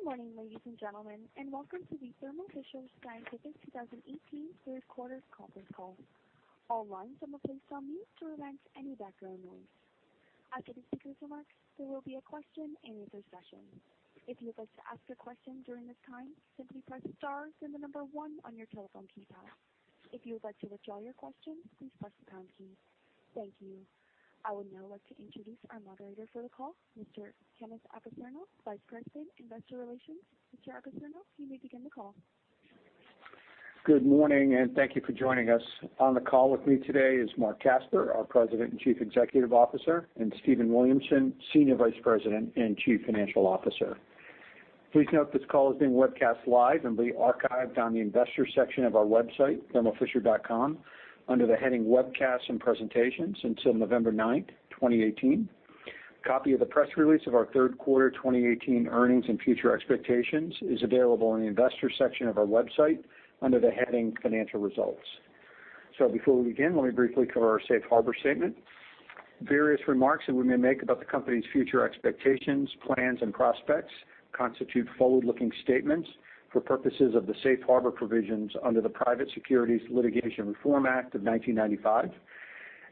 Good morning, ladies and gentlemen, and welcome to the Thermo Fisher Scientific 2018 third quarter conference call. All lines are placed on mute to prevent any background noise. After the speaker's remarks, there will be a question and answer session. If you would like to ask a question during this time, simply press star, then the number one on your telephone keypad. If you would like to withdraw your question, please press the pound key. Thank you. I would now like to introduce our moderator for the call, Mr. Kenneth Apicerno, Vice President, Investor Relations. Mr. Apicerno, you may begin the call. Good morning. Thank you for joining us. On the call with me today is Marc Casper, our President and Chief Executive Officer, and Stephen Williamson, Senior Vice President and Chief Financial Officer. Please note this call is being webcast live and will be archived on the investor section of our website, thermofisher.com, under the heading Webcasts and Presentations until November ninth, 2018. A copy of the press release of our third quarter 2018 earnings and future expectations is available in the Investor section of our website under the heading Financial Results. Before we begin, let me briefly cover our safe harbor statement. Various remarks that we may make about the company's future expectations, plans, and prospects constitute forward-looking statements for purposes of the safe harbor provisions under the Private Securities Litigation Reform Act of 1995.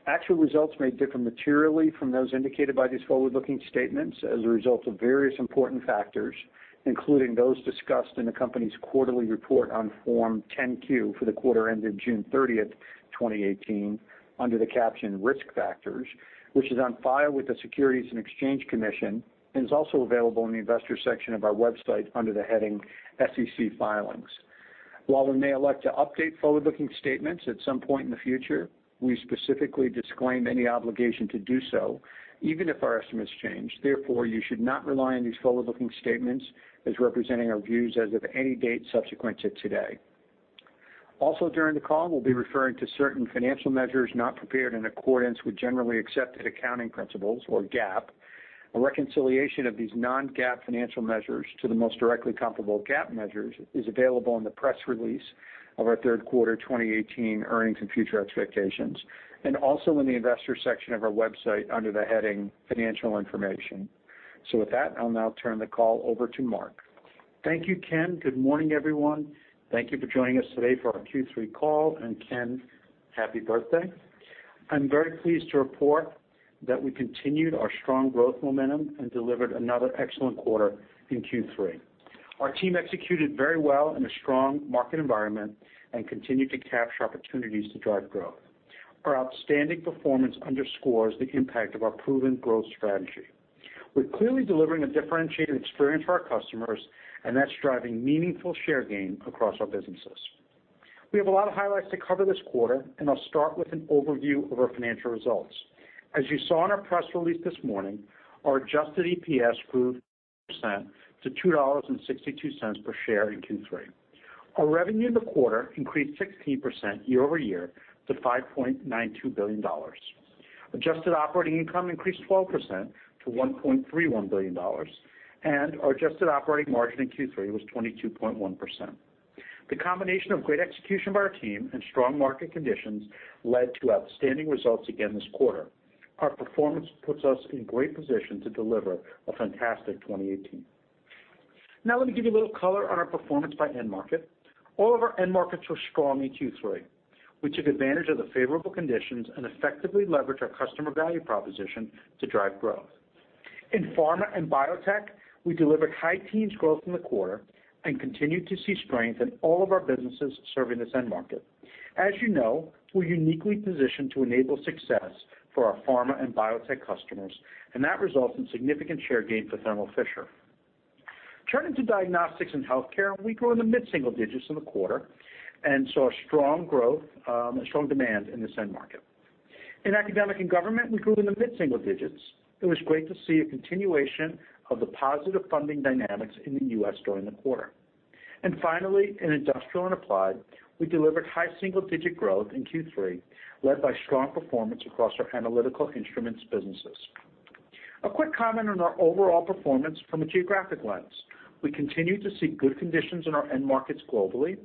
Actual results may differ materially from those indicated by these forward-looking statements as a result of various important factors, including those discussed in the company's quarterly report on Form 10-Q for the quarter ended June thirtieth, 2018, under the caption Risk Factors, which is on file with the Securities and Exchange Commission and is also available in the Investor section of our website under the heading SEC Filings. While we may elect to update forward-looking statements at some point in the future, we specifically disclaim any obligation to do so, even if our estimates change. Therefore, you should not rely on these forward-looking statements as representing our views as of any date subsequent to today. Also, during the call, we'll be referring to certain financial measures not prepared in accordance with generally accepted accounting principles or GAAP. A reconciliation of these non-GAAP financial measures to the most directly comparable GAAP measures is available in the press release of our third quarter 2018 earnings and future expectations, and also in the Investor section of our website under the heading Financial Information. With that, I'll now turn the call over to Marc. Thank you, Ken. Good morning, everyone. Thank you for joining us today for our Q3 call, and Ken, happy birthday. I am very pleased to report that we continued our strong growth momentum and delivered another excellent quarter in Q3. Our team executed very well in a strong market environment and continued to capture opportunities to drive growth. Our outstanding performance underscores the impact of our proven growth strategy. We are clearly delivering a differentiated experience for our customers, and that is driving meaningful share gain across our businesses. We have a lot of highlights to cover this quarter. I will start with an overview of our financial results. As you saw in our press release this morning, our adjusted EPS grew 13% to $2.62 per share in Q3. Our revenue in the quarter increased 16% year-over-year to $5.92 billion. Adjusted operating income increased 12% to $1.31 billion, and our adjusted operating margin in Q3 was 22.1%. The combination of great execution by our team and strong market conditions led to outstanding results again this quarter. Our performance puts us in great position to deliver a fantastic 2018. Now let me give you a little color on our performance by end market. All of our end markets were strong in Q3. We took advantage of the favorable conditions and effectively leveraged our customer value proposition to drive growth. In pharma and biotech, we delivered high teens growth in the quarter and continued to see strength in all of our businesses serving this end market. As you know, we are uniquely positioned to enable success for our pharma and biotech customers, and that results in significant share gain for Thermo Fisher. Turning to diagnostics and healthcare, we grew in the mid-single digits in the quarter and saw strong demand in this end market. In academic and government, we grew in the mid-single digits. It was great to see a continuation of the positive funding dynamics in the U.S. during the quarter. Finally, in industrial and applied, we delivered high single-digit growth in Q3, led by strong performance across our Analytical Instruments businesses. A quick comment on our overall performance from a geographic lens. We continued to see good conditions in our end markets globally.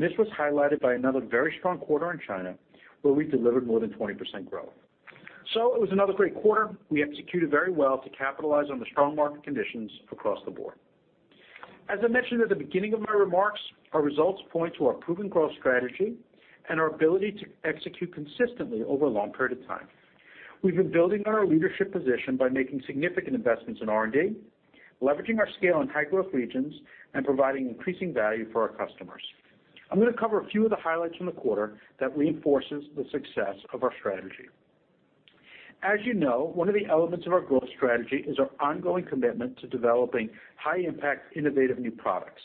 This was highlighted by another very strong quarter in China, where we delivered more than 20% growth. It was another great quarter. We executed very well to capitalize on the strong market conditions across the board. As I mentioned at the beginning of my remarks, our results point to our proven growth strategy and our ability to execute consistently over a long period of time. We have been building on our leadership position by making significant investments in R&D, leveraging our scale in high-growth regions, providing increasing value for our customers. I am going to cover a few of the highlights from the quarter that reinforces the success of our strategy. As you know, one of the elements of our growth strategy is our ongoing commitment to developing high-impact, innovative new products.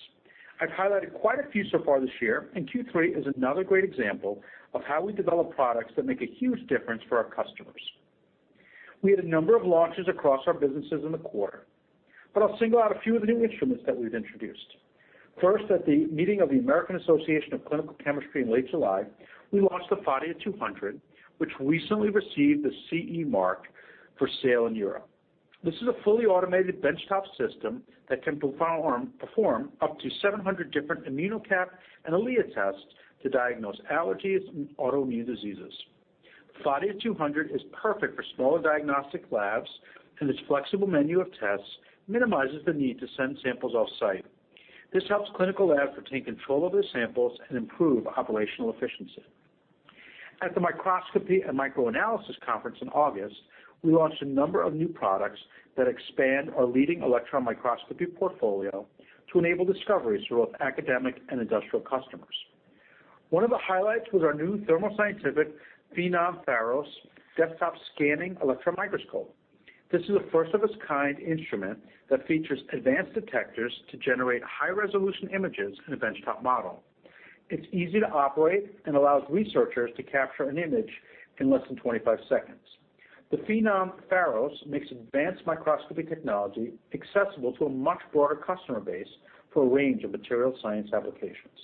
I have highlighted quite a few so far this year. Q3 is another great example of how we develop products that make a huge difference for our customers. We had a number of launches across our businesses in the quarter, I will single out a few of the new instruments that we have introduced. First, at the meeting of the American Association for Clinical Chemistry in late July, we launched the Phadia 200, which recently received the CE mark for sale in Europe. This is a fully automated benchtop system that can perform up to 700 different ImmunoCAP and EliA tests to diagnose allergies and autoimmune diseases. Phadia 200 is perfect for smaller diagnostic labs, and its flexible menu of tests minimizes the need to send samples off-site. This helps clinical labs retain control of their samples and improve operational efficiency. At the Microscopy & Microanalysis Conference in August, we launched a number of new products that expand our leading electron microscopy portfolio to enable discoveries for both academic and industrial customers. One of the highlights was our new Thermo Scientific Phenom Pharos desktop scanning electron microscope. This is a first-of-its-kind instrument that features advanced detectors to generate high-resolution images in a benchtop model. It's easy to operate and allows researchers to capture an image in less than 25 seconds. The Phenom Pharos makes advanced microscopy technology accessible to a much broader customer base for a range of material science applications.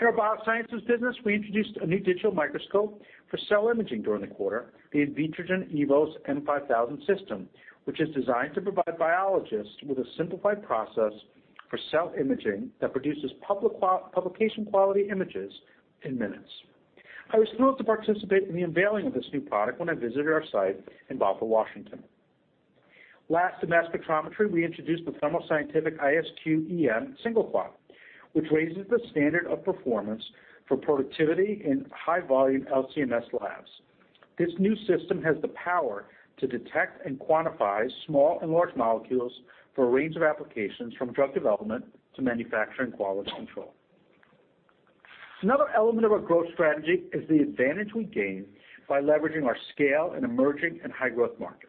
In our biosciences business, we introduced a new digital microscope for cell imaging during the quarter, the Invitrogen EVOS M5000 system, which is designed to provide biologists with a simplified process for cell imaging that produces publication quality images in minutes. I was thrilled to participate in the unveiling of this new product when I visited our site in Bothell, Washington. Last, in mass spectrometry, we introduced the Thermo Scientific ISQ EM SingleQuad, which raises the standard of performance for productivity in high-volume LC-MS labs. This new system has the power to detect and quantify small and large molecules for a range of applications from drug development to manufacturing quality control. Another element of our growth strategy is the advantage we gain by leveraging our scale in emerging and high-growth markets.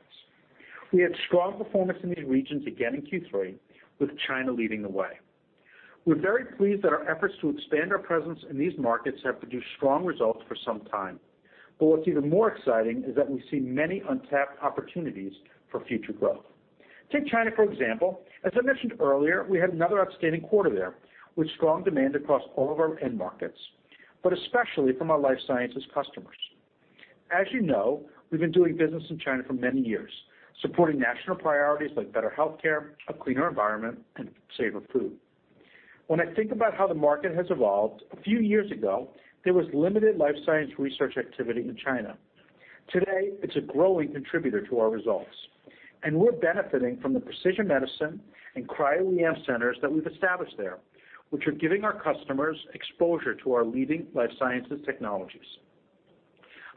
We had strong performance in these regions again in Q3, with China leading the way. We're very pleased that our efforts to expand our presence in these markets have produced strong results for some time. What's even more exciting is that we see many untapped opportunities for future growth. Take China, for example. As I mentioned earlier, we had another outstanding quarter there, with strong demand across all of our end markets, but especially from our life sciences customers. As you know, we've been doing business in China for many years, supporting national priorities like better healthcare, a cleaner environment, and safer food. When I think about how the market has evolved, a few years ago, there was limited life science research activity in China. Today, it's a growing contributor to our results, and we're benefiting from the precision medicine and cryo-EM centers that we've established there, which are giving our customers exposure to our leading life sciences technologies.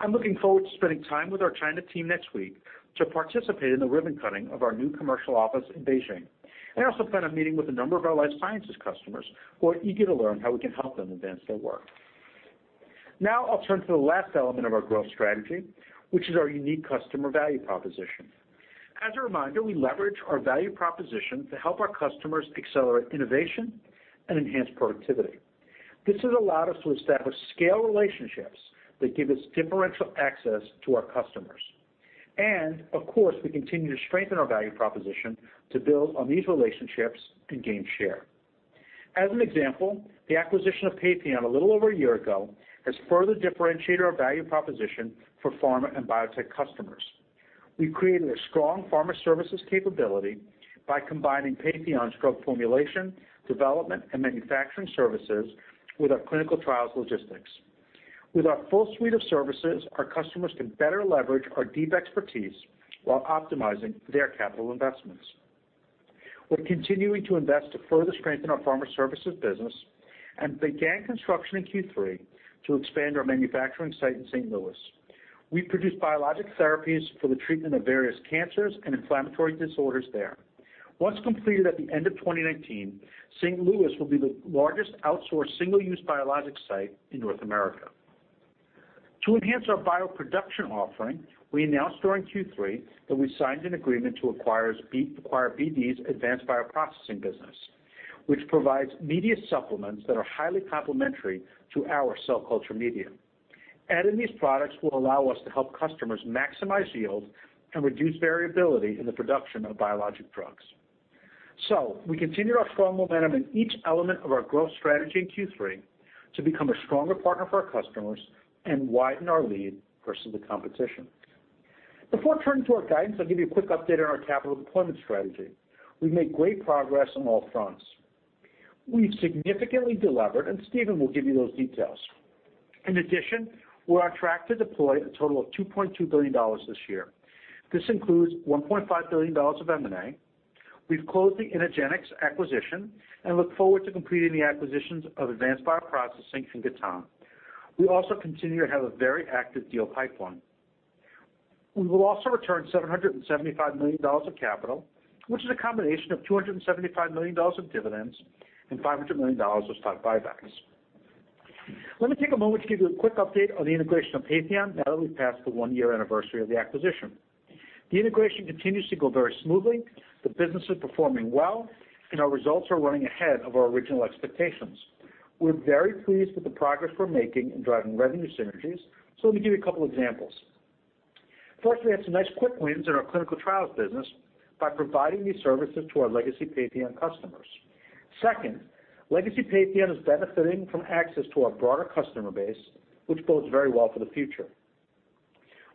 I'm looking forward to spending time with our China team next week to participate in the ribbon cutting of our new commercial office in Beijing, and also plan on meeting with a number of our life sciences customers who are eager to learn how we can help them advance their work. Now I'll turn to the last element of our growth strategy, which is our unique customer value proposition. As a reminder, we leverage our value proposition to help our customers accelerate innovation and enhance productivity. This has allowed us to establish scale relationships that give us differential access to our customers. Of course, we continue to strengthen our value proposition to build on these relationships and gain share. As an example, the acquisition of Patheon a little over a year ago has further differentiated our value proposition for pharma and biotech customers. We've created a strong pharma services capability by combining Patheon's drug formulation, development, and manufacturing services with our clinical trials logistics. With our full suite of services, our customers can better leverage our deep expertise while optimizing their capital investments. We're continuing to invest to further strengthen our pharma services business and began construction in Q3 to expand our manufacturing site in St. Louis. We produce biologic therapies for the treatment of various cancers and inflammatory disorders there. Once completed at the end of 2019, St. Louis will be the largest outsourced single-use biologic site in North America. To enhance our bioproduction offering, we announced during Q3 that we signed an agreement to acquire BD's Advanced Bioprocessing business, which provides media supplements that are highly complementary to our cell culture medium. We continued our strong momentum in each element of our growth strategy in Q3 to become a stronger partner for our customers and widen our lead versus the competition. Before turning to our guidance, I'll give you a quick update on our capital deployment strategy. We've made great progress on all fronts. We've significantly delevered, and Stephen will give you those details. In addition, we're on track to deploy a total of $2.2 billion this year. This includes $1.5 billion of M&A. We've closed the IntegenX acquisition and look forward to completing the acquisitions of Advanced Bioprocessing and Gatan. We also continue to have a very active deal pipeline. We will also return $775 million of capital, which is a combination of $275 million of dividends and $500 million of stock buybacks. Let me take a moment to give you a quick update on the integration of Patheon now that we've passed the one-year anniversary of the acquisition. The integration continues to go very smoothly. The business is performing well, and our results are running ahead of our original expectations. We're very pleased with the progress we're making in driving revenue synergies. Let me give you a couple examples. First, we had some nice quick wins in our clinical trials business by providing these services to our legacy Patheon customers. Second, legacy Patheon is benefiting from access to our broader customer base, which bodes very well for the future.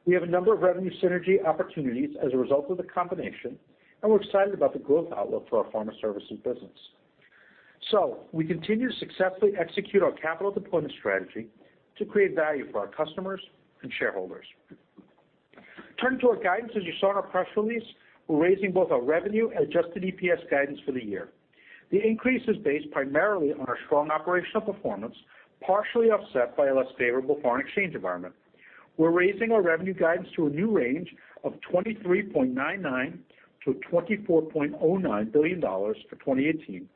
We have a number of revenue synergy opportunities as a result of the combination, and we're excited about the growth outlook for our pharma services business. We continue to successfully execute our capital deployment strategy to create value for our customers and shareholders. Turning to our guidance, as you saw in our press release, we're raising both our revenue and adjusted EPS guidance for the year. The increase is based primarily on our strong operational performance, partially offset by a less favorable foreign exchange environment. We're raising our revenue guidance to a new range of $23.99 billion-$24.09 billion for 2018,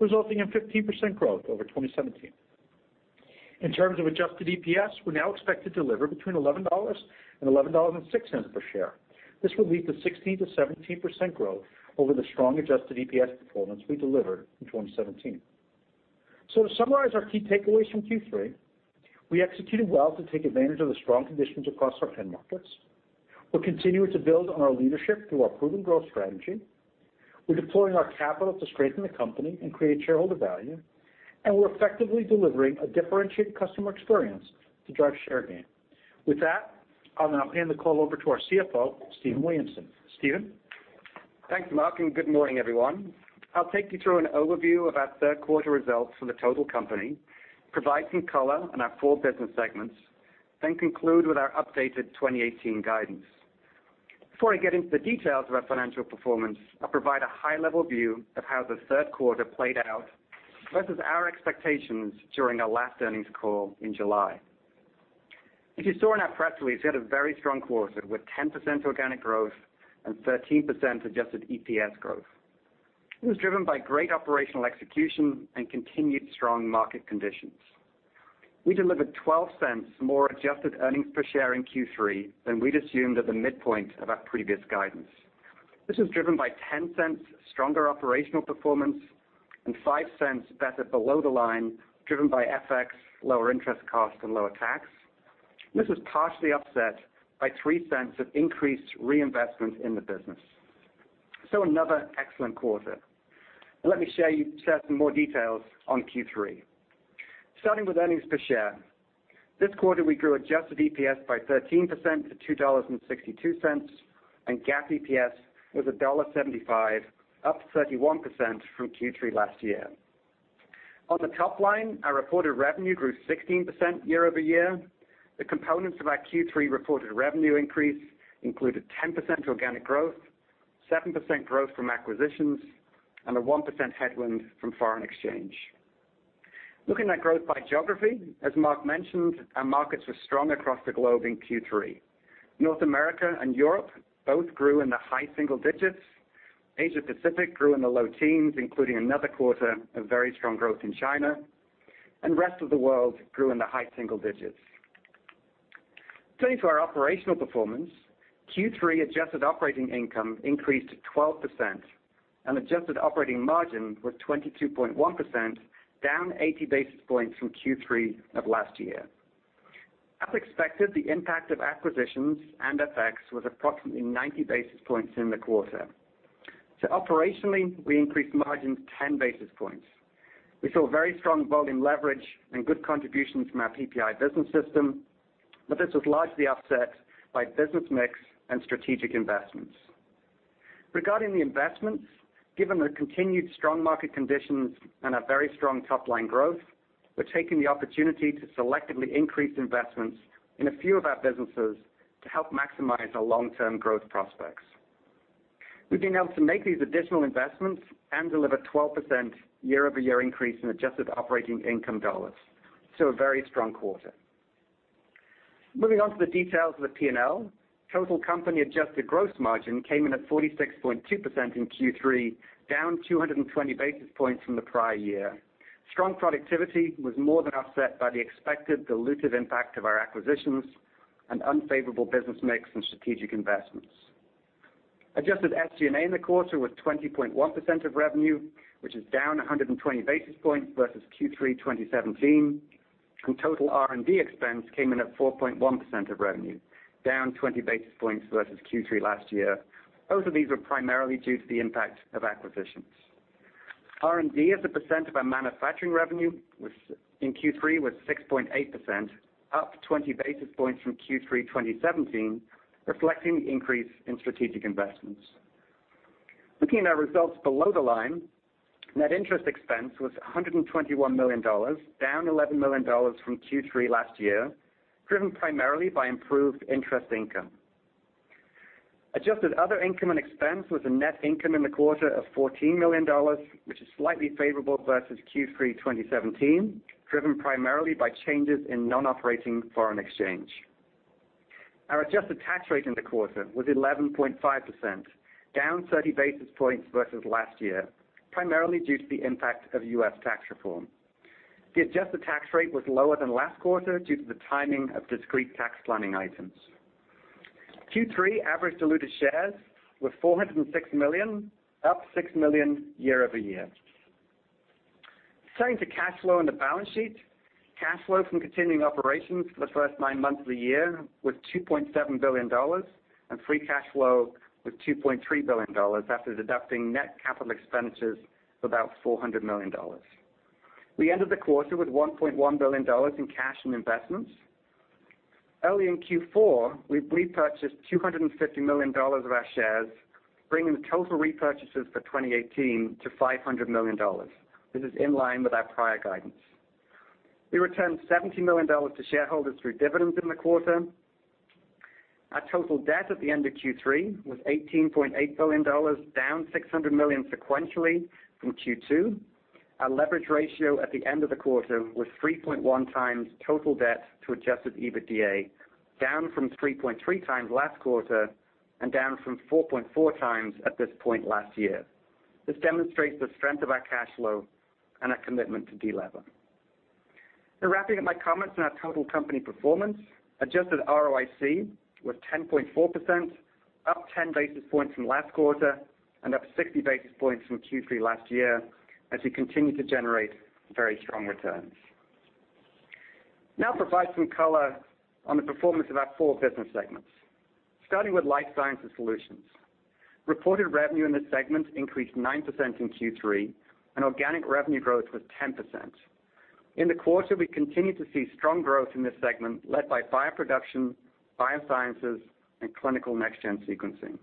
resulting in 15% growth over 2017. In terms of adjusted EPS, we now expect to deliver between $11 and $11.06 per share. This will lead to 16%-17% growth over the strong adjusted EPS performance we delivered in 2017. To summarize our key takeaways from Q3, we executed well to take advantage of the strong conditions across our end markets. We're continuing to build on our leadership through our proven growth strategy. We're deploying our capital to strengthen the company and create shareholder value, and we're effectively delivering a differentiated customer experience to drive share gain. With that, I'll now hand the call over to our CFO, Stephen Williamson. Stephen? Thanks, Marc, and good morning, everyone. I'll take you through an overview of our third quarter results for the total company, provide some color on our four business segments, then conclude with our updated 2018 guidance. Before I get into the details of our financial performance, I'll provide a high-level view of how the third quarter played out versus our expectations during our last earnings call in July. As you saw in our press release, we had a very strong quarter with 10% organic growth and 13% adjusted EPS growth. It was driven by great operational execution and continued strong market conditions. We delivered $0.12 more adjusted earnings per share in Q3 than we'd assumed at the midpoint of our previous guidance. This was driven by $0.10 stronger operational performance and $0.05 better below the line, driven by FX, lower interest cost, and lower tax. This was partially offset by $0.03 of increased reinvestment in the business. Another excellent quarter. Now let me share some more details on Q3. Starting with earnings per share. This quarter, we grew adjusted EPS by 13% to $2.62, and GAAP EPS was $1.75, up 31% from Q3 last year. On the top line, our reported revenue grew 16% year-over-year. The components of our Q3 reported revenue increase included 10% organic growth, 7% growth from acquisitions, and a 1% headwind from foreign exchange. Looking at growth by geography, as Marc mentioned, our markets were strong across the globe in Q3. North America and Europe both grew in the high single digits. Asia Pacific grew in the low teens, including another quarter of very strong growth in China. Rest of the world grew in the high single digits. Turning to our operational performance, Q3 adjusted operating income increased to 12%, and adjusted operating margin was 22.1%, down 80 basis points from Q3 of last year. As expected, the impact of acquisitions and FX was approximately 90 basis points in the quarter. Operationally, we increased margins 10 basis points. We saw very strong volume leverage and good contributions from our PPI business system, this was largely offset by business mix and strategic investments. Regarding the investments, given the continued strong market conditions and our very strong top-line growth, we're taking the opportunity to selectively increase investments in a few of our businesses to help maximize our long-term growth prospects. We've been able to make these additional investments and deliver 12% year-over-year increase in adjusted operating income dollars, a very strong quarter. Moving on to the details of the P&L. Total company adjusted gross margin came in at 46.2% in Q3, down 220 basis points from the prior year. Strong productivity was more than offset by the expected dilutive impact of our acquisitions and unfavorable business mix and strategic investments. Adjusted SG&A in the quarter was 20.1% of revenue, which is down 120 basis points versus Q3 2017, and total R&D expense came in at 4.1% of revenue, down 20 basis points versus Q3 last year. Both of these were primarily due to the impact of acquisitions. R&D as a percent of our manufacturing revenue in Q3 was 6.8%, up 20 basis points from Q3 2017, reflecting the increase in strategic investments. Looking at our results below the line, net interest expense was $121 million, down $11 million from Q3 last year, driven primarily by improved interest income. Adjusted other income and expense was a net income in the quarter of $14 million, which is slightly favorable versus Q3 2017, driven primarily by changes in non-operating foreign exchange. Our adjusted tax rate in the quarter was 11.5%, down 30 basis points versus last year, primarily due to the impact of U.S. tax reform. The adjusted tax rate was lower than last quarter due to the timing of discrete tax planning items. Q3 average diluted shares were 406 million, up 6 million year over year. Turning to cash flow and the balance sheet. Cash flow from continuing operations for the first nine months of the year was $2.7 billion, and free cash flow was $2.3 billion after deducting net capital expenditures of about $400 million. We ended the quarter with $1.1 billion in cash and investments. Early in Q4, we repurchased $250 million of our shares, bringing the total repurchases for 2018 to $500 million. This is in line with our prior guidance. We returned $70 million to shareholders through dividends in the quarter. Our total debt at the end of Q3 was $18.8 billion, down $600 million sequentially from Q2. Our leverage ratio at the end of the quarter was 3.1 times total debt to adjusted EBITDA, down from 3.3 times last quarter, and down from 4.4 times at this point last year. This demonstrates the strength of our cash flow and our commitment to de-lever. Now wrapping up my comments on our total company performance, adjusted ROIC was 10.4%, up 10 basis points from last quarter and up 60 basis points from Q3 last year, as we continue to generate very strong returns. Now I'll provide some color on the performance of our four business segments. Starting with Life Sciences Solutions. Reported revenue in this segment increased 9% in Q3, and organic revenue growth was 10%. In the quarter, we continued to see strong growth in this segment led by bioproduction, biosciences, and clinical next-gen sequencing.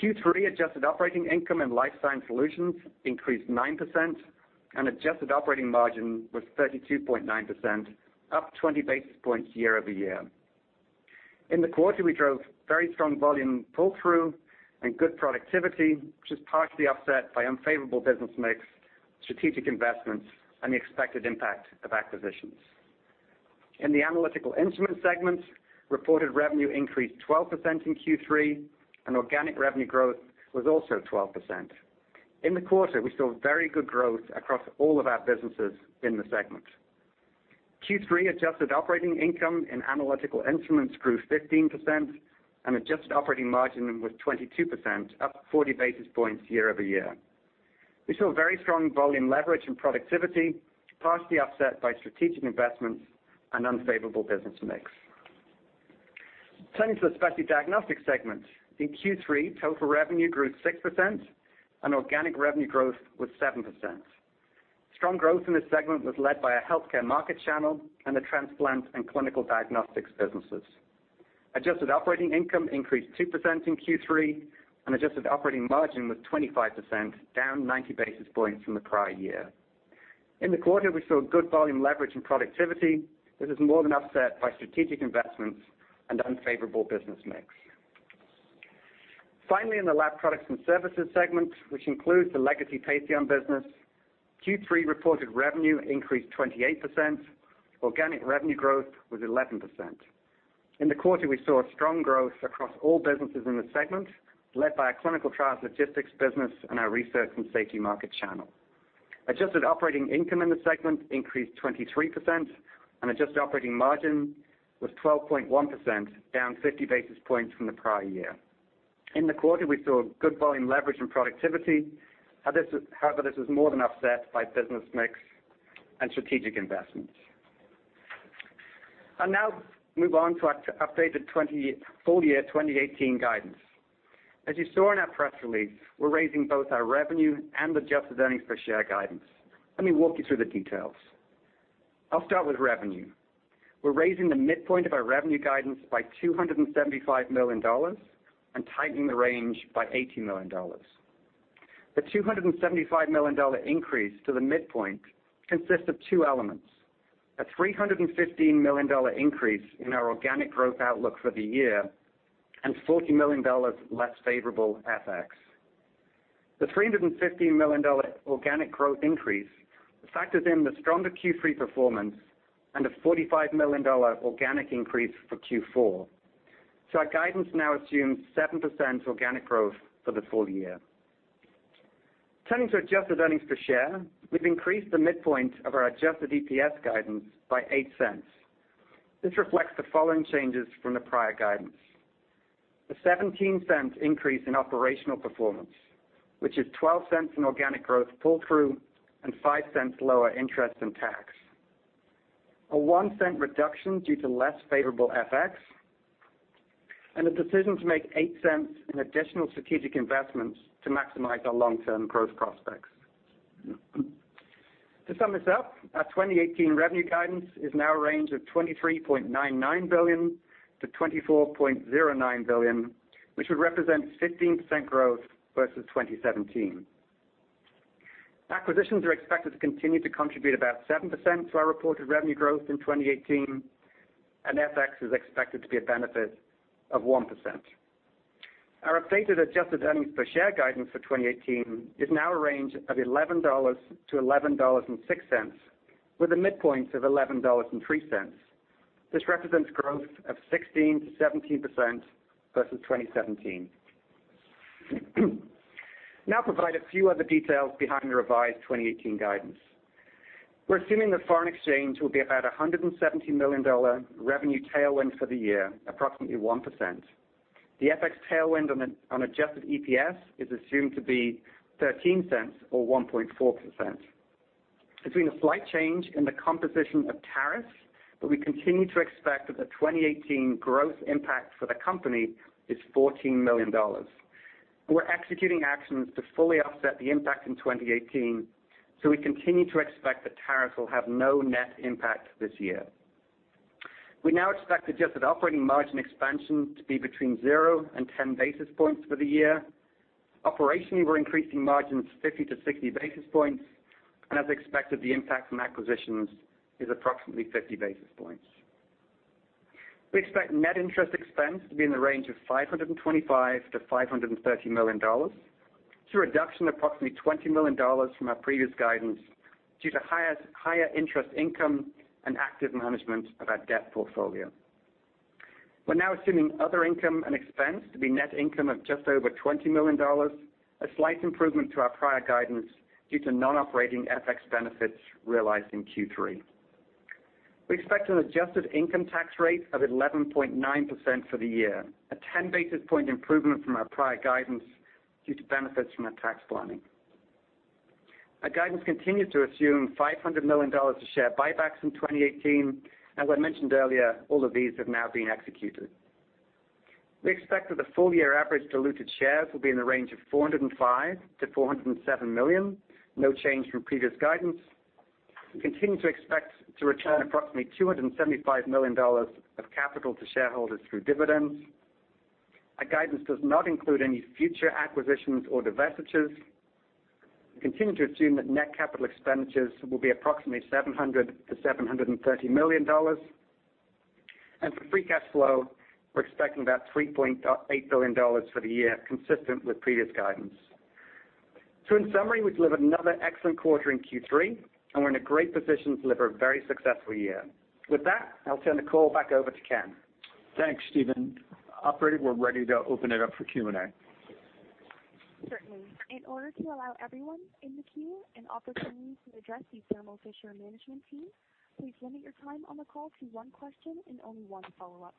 Q3 adjusted operating income in Life Sciences Solutions increased 9%, and adjusted operating margin was 32.9%, up 20 basis points year over year. In the quarter, we drove very strong volume pull-through and good productivity, which was partially offset by unfavorable business mix, strategic investments, and the expected impact of acquisitions. In the Analytical Instruments segment, reported revenue increased 12% in Q3, and organic revenue growth was also 12%. In the quarter, we saw very good growth across all of our businesses in the segment. Q3 adjusted operating income in Analytical Instruments grew 15%, and adjusted operating margin was 22%, up 40 basis points year-over-year. We saw very strong volume leverage and productivity, partially offset by strategic investments and unfavorable business mix. Turning to the Specialty Diagnostics segment. In Q3, total revenue grew 6%, and organic revenue growth was 7%. Strong growth in this segment was led by our healthcare market channel and the transplant and clinical diagnostics businesses. Adjusted operating income increased 2% in Q3, and adjusted operating margin was 25%, down 90 basis points from the prior year. In the quarter, we saw good volume leverage and productivity. This was more than offset by strategic investments and unfavorable business mix. Finally, in the Laboratory Products and Services segment, which includes the legacy Patheon business, Q3 reported revenue increased 28%. Organic revenue growth was 11%. In the quarter, we saw strong growth across all businesses in the segment, led by our clinical trials logistics business and our research and safety market channel. Adjusted operating income in the segment increased 23%, and adjusted operating margin was 12.1%, down 50 basis points from the prior year. In the quarter, we saw good volume leverage and productivity. However, this was more than offset by business mix and strategic investments. I'll now move on to our updated full year 2018 guidance. As you saw in our press release, we're raising both our revenue and adjusted earnings per share guidance. Let me walk you through the details. I'll start with revenue. We're raising the midpoint of our revenue guidance by $275 million and tightening the range by $80 million. The $275 million increase to the midpoint consists of two elements, a $315 million increase in our organic growth outlook for the year, and $40 million less favorable FX. The $315 million organic growth increase factors in the stronger Q3 performance and a $45 million organic increase for Q4. Our guidance now assumes 7% organic growth for the full year. Turning to adjusted earnings per share. We've increased the midpoint of our adjusted EPS guidance by $0.08. This reflects the following changes from the prior guidance. A $0.17 increase in operational performance, which is $0.12 in organic growth pull-through and $0.05 lower interest and tax. A $0.01 reduction due to less favorable FX, and a decision to make $0.08 in additional strategic investments to maximize our long-term growth prospects. To sum this up, our 2018 revenue guidance is now a range of $23.99 billion-$24.09 billion, which would represent 15% growth versus 2017. Acquisitions are expected to continue to contribute about 7% to our reported revenue growth in 2018, and FX is expected to be a benefit of 1%. Our updated adjusted earnings per share guidance for 2018 is now a range of $11.00-$11.06, with a midpoint of $11.03. This represents growth of 16%-17% versus 2017. I'll provide a few other details behind the revised 2018 guidance. We're assuming that foreign exchange will be about a $117 million revenue tailwind for the year, approximately 1%. The FX tailwind on adjusted EPS is assumed to be $0.13, or 1.4%. It's been a slight change in the composition of tariffs, we continue to expect that the 2018 growth impact for the company is $14 million. We're executing actions to fully offset the impact in 2018, we continue to expect that tariffs will have no net impact this year. We now expect adjusted operating margin expansion to be between 0 and 10 basis points for the year. Operationally, we're increasing margins 50 to 60 basis points, and as expected, the impact from acquisitions is approximately 50 basis points. We expect net interest expense to be in the range of $525 million to $530 million. It's a reduction of approximately $20 million from our previous guidance due to higher interest income and active management of our debt portfolio. We're now assuming other income and expense to be net income of just over $20 million, a slight improvement to our prior guidance due to non-operating FX benefits realized in Q3. We expect an adjusted income tax rate of 11.9% for the year, a 10-basis point improvement from our prior guidance due to benefits from our tax planning. Our guidance continues to assume $500 million of share buybacks in 2018, and as I mentioned earlier, all of these have now been executed. We expect that the full-year average diluted shares will be in the range of 405 million to 407 million, no change from previous guidance. We continue to expect to return approximately $275 million of capital to shareholders through dividends. Our guidance does not include any future acquisitions or divestitures. We continue to assume that net capital expenditures will be approximately $700 million to $730 million. For free cash flow, we're expecting about $3.8 billion for the year, consistent with previous guidance. In summary, we delivered another excellent quarter in Q3, and we're in a great position to deliver a very successful year. With that, I'll turn the call back over to Ken. Thanks, Stephen. Operator, we're ready to open it up for Q&A. Certainly. In order to allow everyone in the queue an opportunity to address the Thermo Fisher management team, please limit your time on the call to one question and only one follow-up.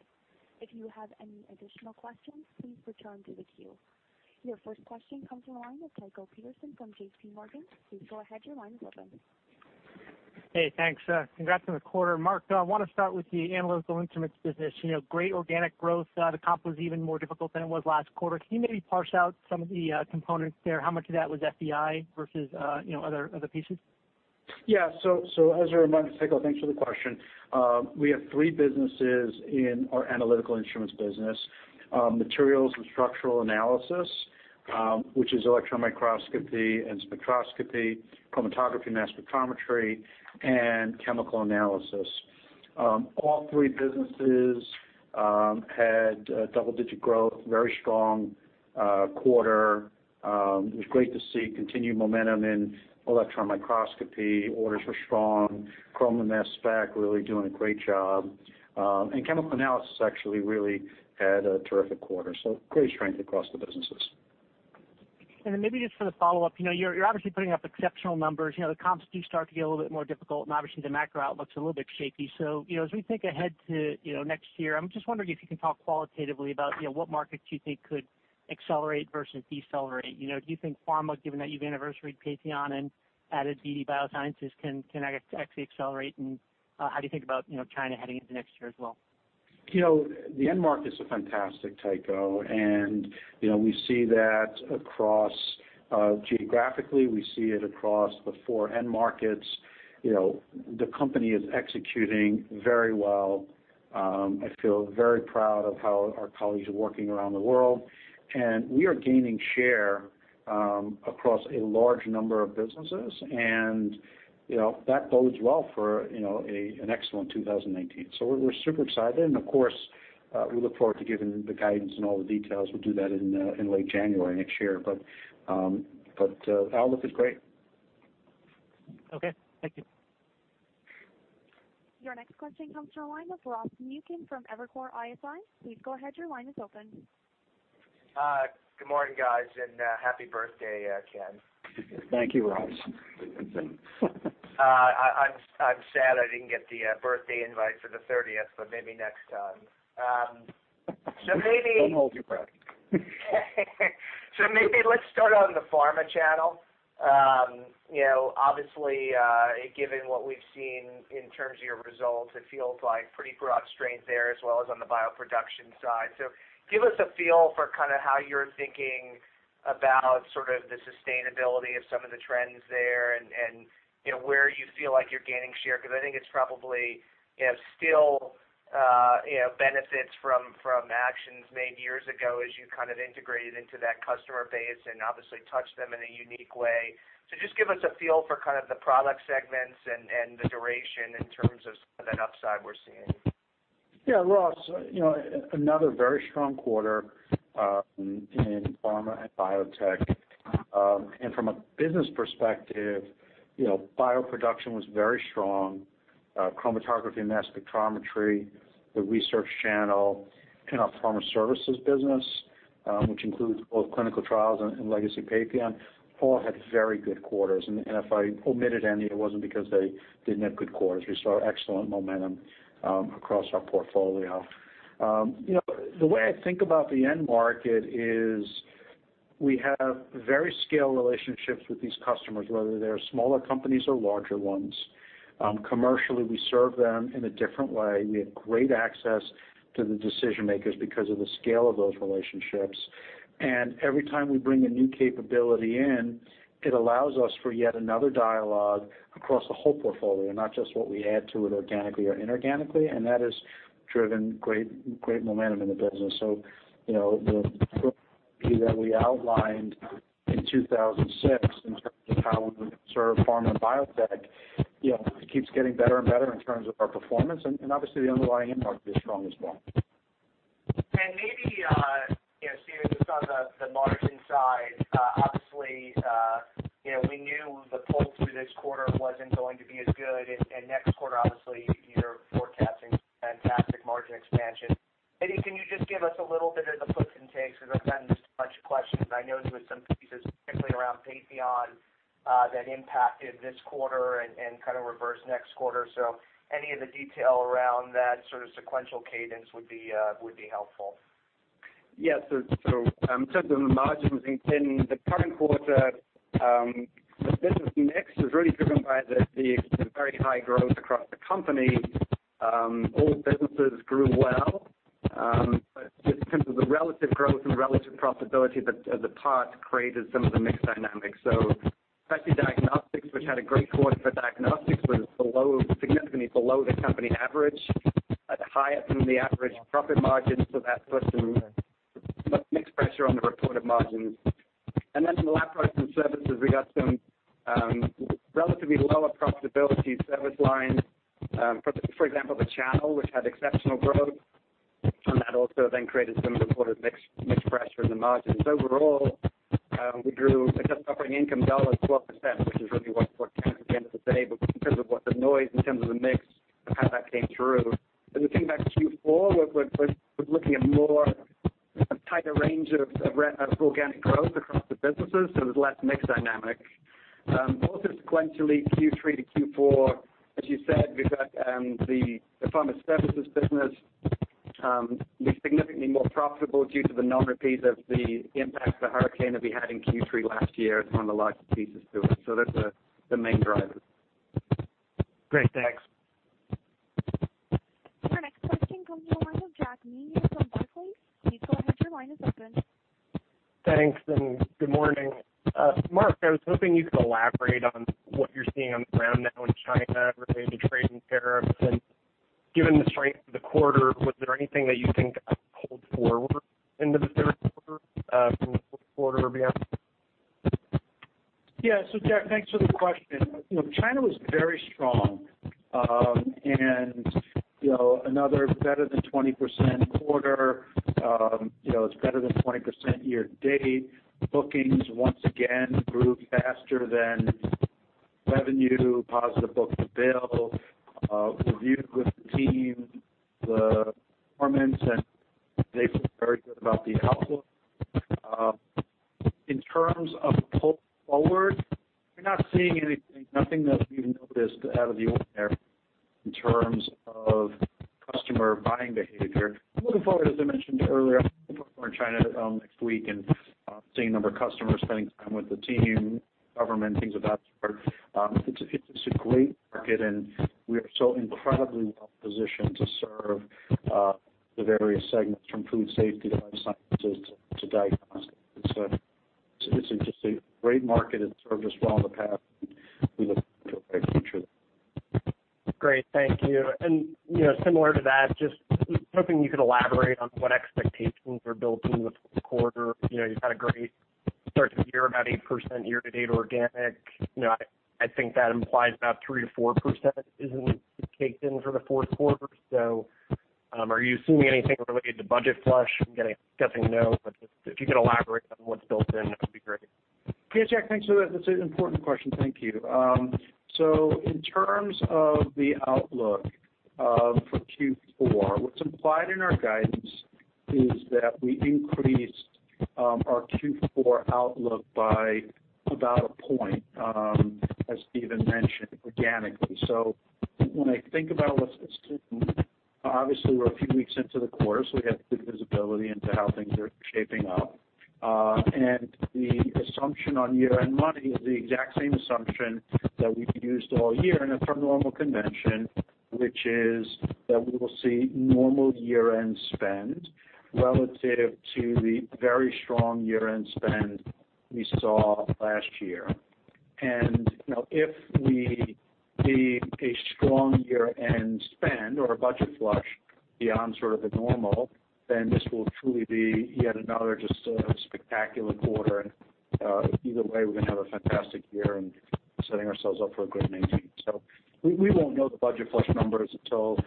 If you have any additional questions, please return to the queue. Your first question comes from the line of Tycho Peterson from J.P. Morgan. Please go ahead, your line is open. Hey, thanks. Congrats on the quarter. Marc, I want to start with the Analytical Instruments business. Great organic growth. The comp was even more difficult than it was last quarter. Can you maybe parse out some of the components there? How much of that was FEI versus other pieces? As a reminder, Tycho, thanks for the question. We have three businesses in our Analytical Instruments business. Materials and structural analysis, which is electron microscopy and spectroscopy, chromatography, mass spectrometry, and chemical analysis. All three businesses had double-digit growth, very strong quarter. It was great to see continued momentum in electron microscopy. Orders were strong. Chroma mass spec really doing a great job. And chemical analysis actually really had a terrific quarter, so great strength across the businesses. Maybe just for the follow-up. You're obviously putting up exceptional numbers. The comps do start to get a little bit more difficult, and obviously, the macro outlook's a little bit shaky. As we think ahead to next year, I'm just wondering if you can talk qualitatively about what markets you think could accelerate versus decelerate. Do you think pharma, given that you've anniversaried Patheon and added BD Biosciences, can actually accelerate, and how do you think about China heading into next year as well? The end markets are fantastic, Tycho. We see that across geographically. We see it across the four end markets. The company is executing very well. I feel very proud of how our colleagues are working around the world. We are gaining share across a large number of businesses. That bodes well for an excellent 2019. We're super excited, and of course, we look forward to giving the guidance and all the details. We'll do that in late January next year. Outlook is great. Okay, thank you. Your next question comes from the line of Ross Muken from Evercore ISI. Please go ahead, your line is open. Good morning, guys. Happy birthday, Ken. Thank you, Ross. I'm sad I didn't get the birthday invite for the 30th, but maybe next time. Don't hold your breath. Maybe let's start on the pharma channel. Obviously, given what we've seen in terms of your results, it feels like pretty broad strength there as well as on the bioproduction side. Give us a feel for how you're thinking about the sustainability of some of the trends there and where you feel like you're gaining share, because I think it's probably still benefits from actions made years ago as you integrated into that customer base and obviously touched them in a unique way. Just give us a feel for the product segments and the duration in terms of some of that upside we're seeing. Ross, another very strong quarter in pharma and biotech. From a business perspective, bioproduction was very strong. chromatography and mass spectrometry, the research channel in our pharma services business, which includes both clinical trials and legacy Patheon, all had very good quarters. If I omitted any, it wasn't because they didn't have good quarters. We saw excellent momentum across our portfolio. The way I think about the end market is we have very scaled relationships with these customers, whether they're smaller companies or larger ones. Commercially, we serve them in a different way. We have great access to the decision-makers because of the scale of those relationships. Every time we bring a new capability in, it allows us for yet another dialogue across the whole portfolio, not just what we add to it organically or inorganically, and that has driven great momentum in the business. The strategy that we outlined in 2006 in terms of how we serve pharma and biotech, it keeps getting better and better in terms of our performance, obviously the underlying end market is strong as well. Maybe, Stephen, just on the margin side, obviously, we knew the pull through this quarter wasn't going to be as good. Next quarter, obviously, you're forecasting fantastic margin expansion. Maybe can you just give us a little bit of the puts and takes? Because I've gotten just a bunch of questions, and I know there were some pieces, particularly around Patheon, that impacted this quarter and kind of reverse next quarter. Any of the detail around that sort of sequential cadence would be helpful. In terms of the margins in the current quarter, the business mix was really driven by the very high growth across the company. All businesses grew well, but just in terms of the relative growth and relative profitability, the part created some of the mix dynamics. Especially Specialty Diagnostics, which had a great quarter for Specialty Diagnostics, was significantly below the company average at higher than the average profit margin. That put some mix pressure on the reported margins. From the Laboratory Products and Services, we got some relatively lower profitability service lines. For example, the channel, which had exceptional growth, that also then created some reported mix pressure in the margins. Overall, we grew adjusted operating income dollars 12%, which is really what counts at the end of the day. In terms of what the noise in terms of the mix of how that came through. As we think back to Q4, we're looking at more tighter range of organic growth across the businesses. There's less mix dynamic. Also sequentially, Q3 to Q4, as you said, we've got the pharma services business be significantly more profitable due to the non-repeat of the impact of the hurricane that we had in Q3 last year. It's one of the larger pieces to it. That's the main drivers. Great, thanks. Our next question comes from the line of Jack Meehan from Barclays. Please go ahead. Your line is open. Thanks. Good morning. Marc, I was hoping you could elaborate on what you're seeing on the ground now in China related to trade and tariffs. Given the strength of the quarter, was there anything that you think got pulled forward into the third quarter from the fourth quarter or beyond? Yeah. Jack, thanks for the question. China was very strong, another better than 20% quarter. It's better than 20% year-to-date. Bookings once again grew faster than revenue, positive book-to-bill. Reviewed with the team the performance, they feel very good about the The assumption on year-end money is the exact same assumption that we've used all year in a normal convention, which is that we will see normal year-end spend relative to the very strong year-end spend we saw last year. If we see a strong year-end spend or a budget flush beyond sort of the normal, this will truly be yet another just spectacular quarter. Either way, we're going to have a fantastic year and setting ourselves up for a good 2019. We won't know the budget flush numbers until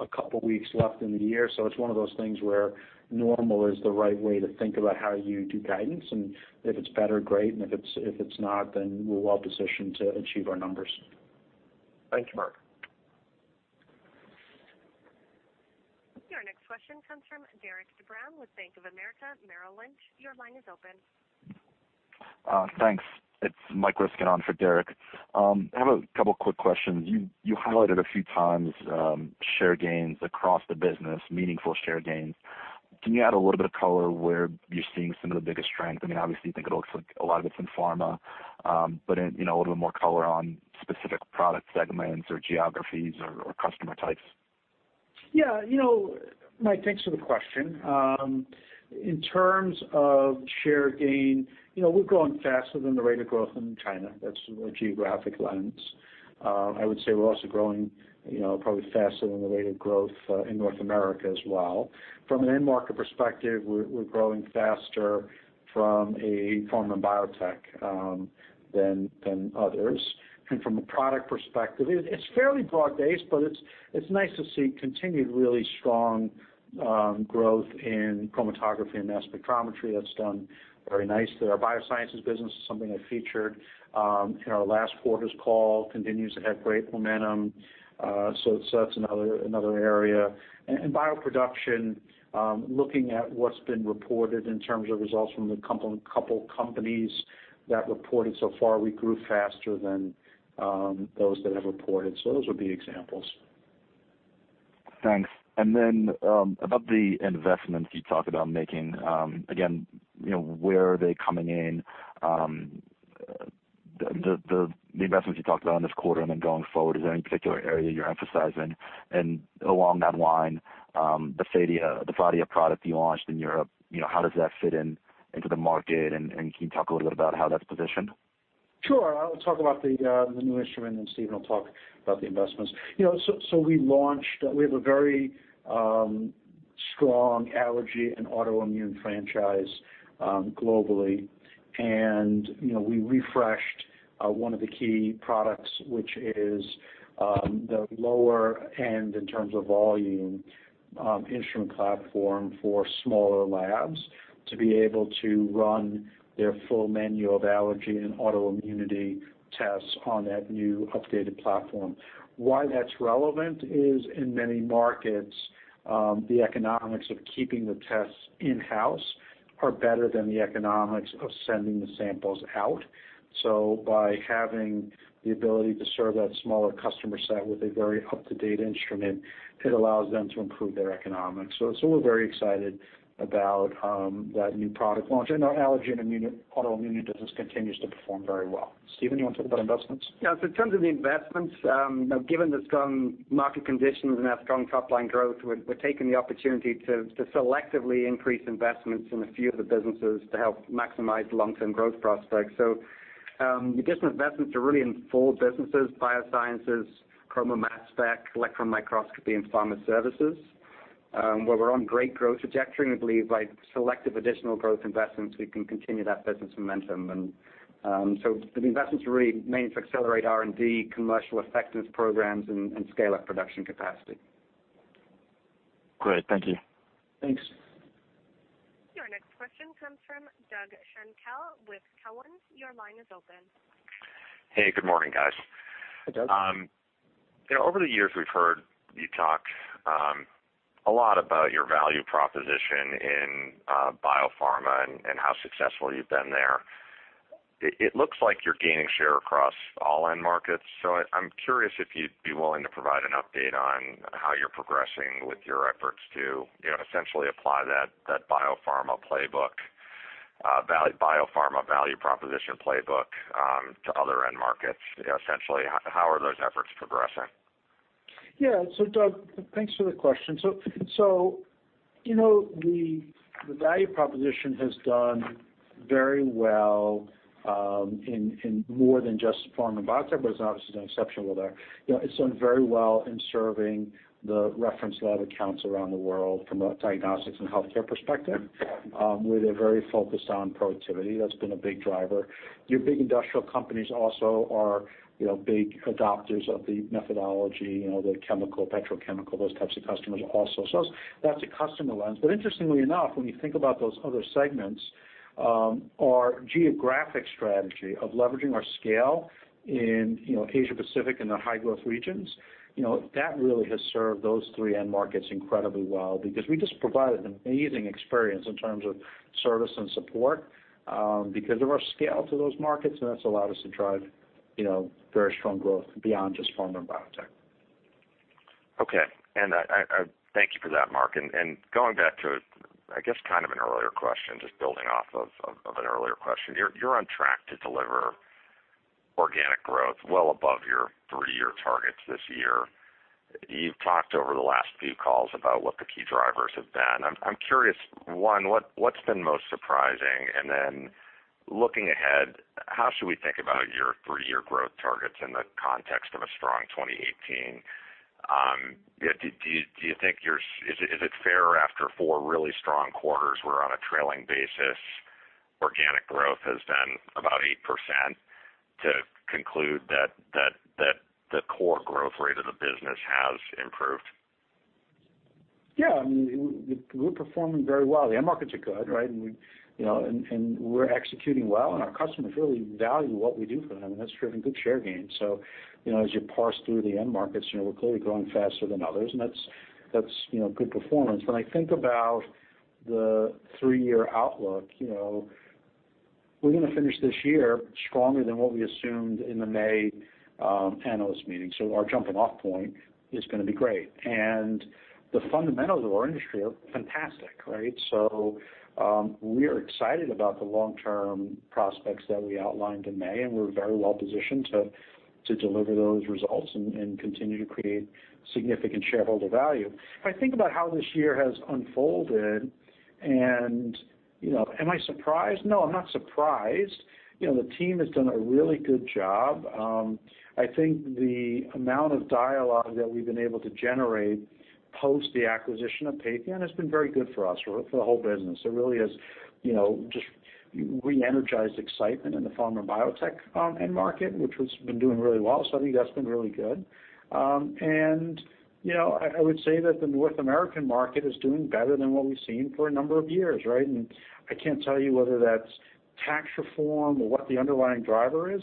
a couple of weeks left in the year. It's one of those things where normal is the right way to think about how you do guidance. If it's better, great, if it's not, we're well positioned to achieve our numbers. Thank you, Marc. Your next question comes from Derik De Bruin with Bank of America Merrill Lynch. Your line is open. Thanks. It's Mike Ryskin on for Derik. I have a couple quick questions. You highlighted a few times share gains across the business, meaningful share gains. Can you add a little bit of color where you're seeing some of the biggest strength? Obviously, I think it looks like a lot of it's in pharma, but a little more color on specific product segments or geographies or customer types. Mike, thanks for the question. In terms of share gain, we're growing faster than the rate of growth in China. That's a geographic lens. I would say we're also growing probably faster than the rate of growth in North America as well. From an end market perspective, we're growing faster from a pharma biotech than others. From a product perspective, it's fairly broad-based, but it's nice to see continued really strong growth in chromatography and mass spectrometry. That's done very nicely. Our biosciences business is something I featured in our last quarter's call, continues to have great momentum. That's another area. Bioproduction, looking at what's been reported in terms of results from the couple companies that reported so far, we grew faster than those that have reported. Those would be examples. Thanks. Then, about the investments you talked about making. Again, where are they coming in? The investments you talked about in this quarter, and then going forward, is there any particular area you're emphasizing? Along that line, the Phadia product you launched in Europe, how does that fit into the market, and can you talk a little bit about how that's positioned? Sure. I'll talk about the new instrument, and Stephen will talk about the investments. We have a very strong allergy and autoimmune franchise globally. We refreshed one of the key products, which is the lower end in terms of volume, instrument platform for smaller labs to be able to run their full menu of allergy and autoimmunity tests on that new updated platform. Why that's relevant is in many markets, the economics of keeping the tests in-house are better than the economics of sending the samples out. By having the ability to serve that smaller customer set with a very up-to-date instrument, it allows them to improve their economics. We're very excited about that new product launch, and our allergy and autoimmune business continues to perform very well. Stephen, you want to talk about investments? Yeah. In terms of the investments, given the strong market conditions and our strong top-line growth, we're taking the opportunity to selectively increase investments in a few of the businesses to help maximize long-term growth prospects. The additional investments are really in four businesses, biosciences, chroma-mass spec, electron microscopy, and pharma services. Where we're on great growth trajectory, and we believe by selective additional growth investments, we can continue that business momentum. The investments are really made to accelerate R&D, commercial effectiveness programs, and scale up production capacity. Great. Thank you. Thanks. Your next question comes from Doug Schenkel with Cowen. Your line is open. Hey, good morning, guys. Hey, Doug. Over the years, we've heard you talk a lot about your value proposition in biopharma and how successful you've been there. It looks like you're gaining share across all end markets. I'm curious if you'd be willing to provide an update on how you're progressing with your efforts to essentially apply that biopharma playbook, biopharma value proposition playbook, to other end markets. Essentially, how are those efforts progressing? Yeah. Doug, thanks for the question. The value proposition has done very well in more than just pharma and biotech, but it's obviously done exceptionally well there. It's done very well in serving the reference lab accounts around the world from a diagnostics and healthcare perspective, where they're very focused on productivity. That's been a big driver. Your big industrial companies also are big adopters of the methodology, the chemical, petrochemical, those types of customers also. That's a customer lens. Interestingly enough, when you think about those other segments, our geographic strategy of leveraging our scale in Asia Pacific and the high-growth regions, that really has served those three end markets incredibly well because we just provide an amazing experience in terms of service and support because of our scale to those markets, and that's allowed us to drive very strong growth beyond just pharma and biotech. Okay. Thank you for that, Marc. Going back to, I guess kind of an earlier question, just building off of an earlier question. You're on track to deliver organic growth well above your three-year targets this year. You've talked over the last few calls about what the key drivers have been. I'm curious, one, what's been most surprising? Looking ahead, how should we think about your three-year growth targets in the context of a strong 2018? Is it fair after four really strong quarters where on a trailing basis, organic growth has been about 8%, to conclude that the core growth rate of the business has improved? Yeah. We're performing very well. The end markets are good, and we're executing well, and our customers really value what we do for them, and that's driven good share gains. As you parse through the end markets, we're clearly growing faster than others, and that's good performance. When I think about the three-year outlook, we're going to finish this year stronger than what we assumed in the May analyst meeting. Our jumping off point is going to be great. The fundamentals of our industry are fantastic, right? We are excited about the long-term prospects that we outlined in May, and we're very well positioned to deliver those results and continue to create significant shareholder value. If I think about how this year has unfolded and am I surprised? No, I'm not surprised. The team has done a really good job. I think the amount of dialogue that we've been able to generate post the acquisition of Patheon has been very good for us, for the whole business. It really has just re-energized excitement in the pharma biotech end market, which has been doing really well. I think that's been really good. I would say that the North American market is doing better than what we've seen for a number of years, right? I can't tell you whether that's tax reform or what the underlying driver is,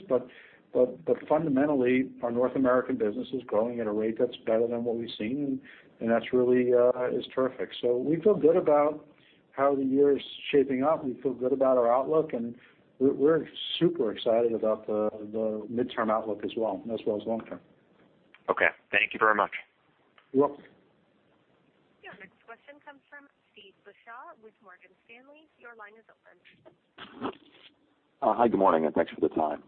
fundamentally, our North American business is growing at a rate that's better than what we've seen, and that really is terrific. We feel good about how the year is shaping up. We feel good about our outlook, and we're super excited about the midterm outlook as well, as well as long-term. Okay. Thank you very much. You're welcome. Your next question comes from Steve Beuchaw with Morgan Stanley. Your line is open. Hi. Good morning, and thanks for the time.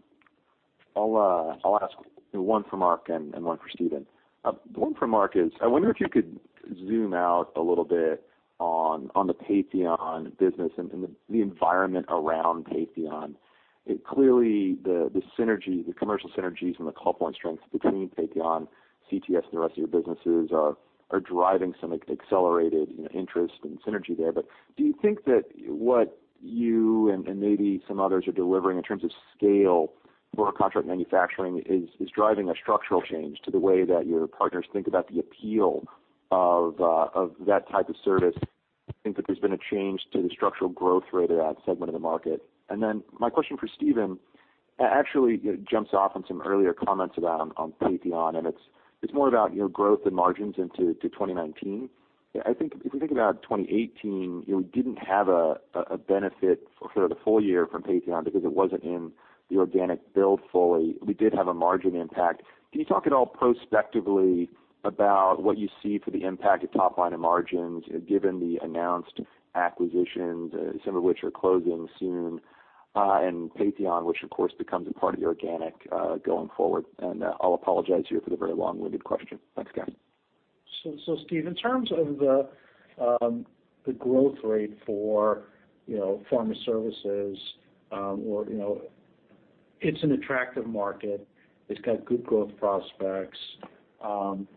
I'll ask one for Marc and one for Stephen. The one for Marc is, I wonder if you could zoom out a little bit on the Patheon business and the environment around Patheon. Clearly, the commercial synergies and the complement strengths between Patheon, CTS and the rest of your businesses are driving some accelerated interest and synergy there. Do you think that what you and maybe some others are delivering in terms of scale for contract manufacturing is driving a structural change to the way that your partners think about the appeal of that type of service? Do you think that there's been a change to the structural growth rate of that segment of the market? My question for Stephen actually jumps off on some earlier comments about Patheon, and it's more about your growth and margins into 2019. I think if we think about 2018, we didn't have a benefit for the full year from Patheon because it wasn't in the organic build fully. We did have a margin impact. Can you talk at all prospectively about what you see for the impact of top line and margins, given the announced acquisitions, some of which are closing soon, and Patheon, which of course, becomes a part of the organic, going forward? I'll apologize here for the very long-winded question. Thanks, guys. Steve, in terms of the growth rate for pharma services, it's an attractive market. It's got good growth prospects.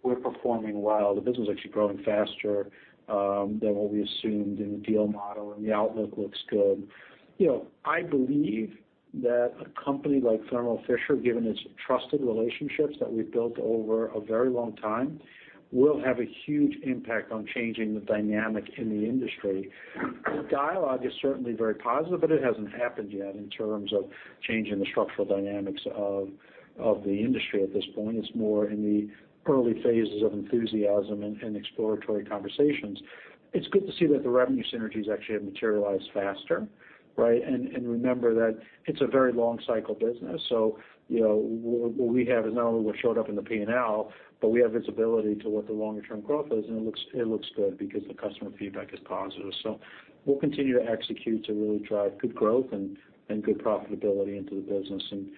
We're performing well. The business is actually growing faster than what we assumed in the deal model, and the outlook looks good. I believe that a company like Thermo Fisher Scientific, given its trusted relationships that we've built over a very long time, will have a huge impact on changing the dynamic in the industry. The dialogue is certainly very positive, it hasn't happened yet in terms of changing the structural dynamics of the industry at this point. It's more in the early phases of enthusiasm and exploratory conversations. It's good to see that the revenue synergies actually have materialized faster, right? Remember that it's a very long cycle business. What we have is not only what showed up in the P&L, but we have visibility to what the longer-term growth is, and it looks good because the customer feedback is positive. We'll continue to execute to really drive good growth and good profitability into the business. Stephen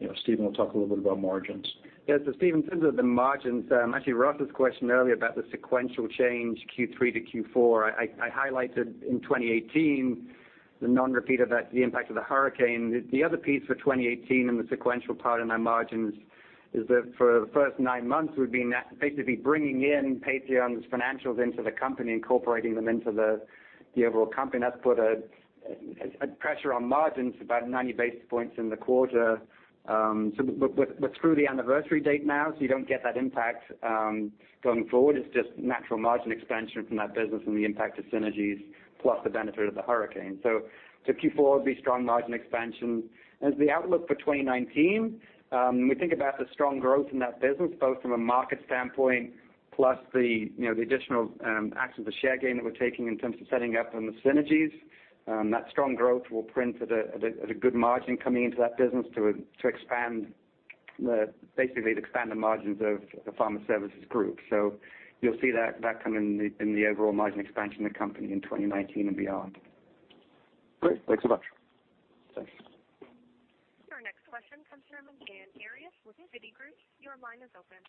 Williamson will talk a little bit about margins. Yeah. Stephen, in terms of the margins, actually Ross's question earlier about the sequential change Q3 to Q4, I highlighted in 2018, the non-repeat of that, the impact of the hurricane. The other piece for 2018 and the sequential part in our margins is that for the first nine months, we've been basically bringing in Patheon's financials into the company, incorporating them into the overall company, and that's put a pressure on margins about 90 basis points in the quarter. We're through the anniversary date now, so you don't get that impact going forward. It's just natural margin expansion from that business and the impact of synergies, plus the benefit of the hurricane. Q4 will be strong margin expansion. As the outlook for 2019, we think about the strong growth in that business, both from a market standpoint plus the additional actions of share gain that we're taking in terms of setting up and the synergies. That strong growth will print at a good margin coming into that business to basically expand the margins of the pharma services group. You'll see that come in the overall margin expansion of the company in 2019 and beyond. Great. Thanks so much. Thanks. Your next question comes from Dan Arias with Citigroup. Your line is open.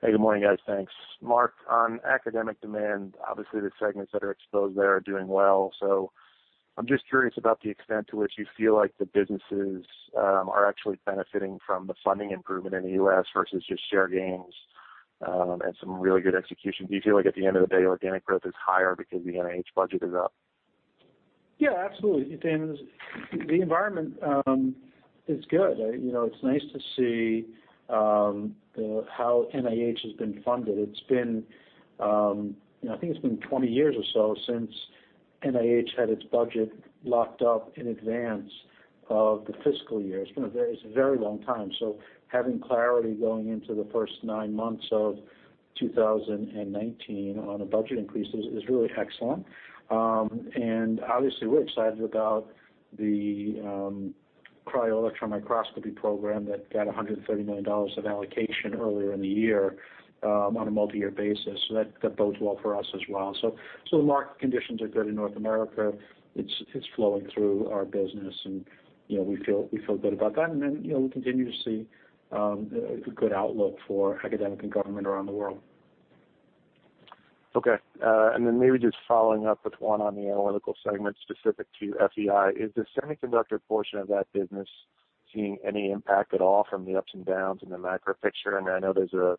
Hey, good morning, guys. Thanks. Marc, on academic demand, obviously the segments that are exposed there are doing well. I'm just curious about the extent to which you feel like the businesses are actually benefiting from the funding improvement in the U.S. versus just share gains, and some really good execution. Do you feel like at the end of the day, organic growth is higher because the NIH budget is up? Yeah, absolutely. Dan, the environment is good. It's nice to see how NIH has been funded. I think it's been 20 years or so since NIH had its budget locked up in advance of the fiscal year. It's been a very long time. Having clarity going into the first nine months of 2019 on a budget increase is really excellent. Obviously, we're excited about the cryo-electron microscopy program that got $130 million of allocation earlier in the year on a multi-year basis. That bodes well for us as well. Marc, conditions are good in North America. It's flowing through our business, and we feel good about that. We continue to see a good outlook for academic and government around the world. Okay. Maybe just following up with one on the analytical segment specific to FEI. Is the semiconductor portion of that business seeing any impact at all from the ups and downs in the macro picture? I know there's a